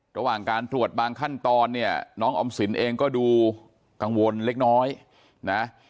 ระหว่างการตรวจบางขั้นตอนเนี่ยน้องออมสินเองก็ดูกังวลเล็กน้อยนะ